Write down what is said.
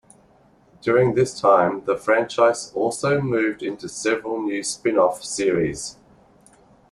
During this time, the franchise also moved into several new spin-off series.